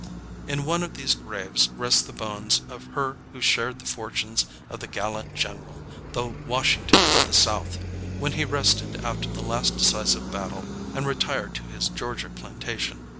In one of these graves rest the bones of her who shared the fortunes of the gallant general, the "Washington of the South," when he rested after the last decisive battle and retired to his Georgia plantation.